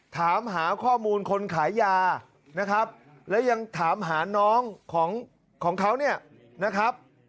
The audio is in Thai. ถามหาข้อมูลคนขายยานะครับแล้วยังถามหาน้องของเขาเนี่ยนะครับ